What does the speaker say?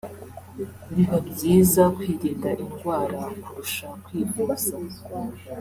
biba byiza kwirinda indwara kurusha kwivuza